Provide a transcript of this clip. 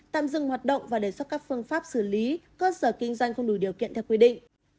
tạm dừng hoạt động và đề xuất các phương pháp xử lý cơ sở kinh doanh không đủ điều kiện theo quy định